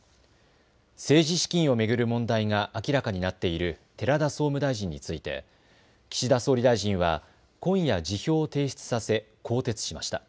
政治資金を巡る問題が明らかになっている寺田総務大臣について岸田総理大臣は今夜、辞表を提出させ更迭しました。